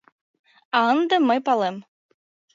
А ынде мый палем!